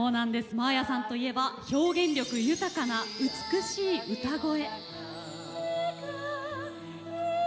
真彩さんといえば表現力豊かな美しい歌声。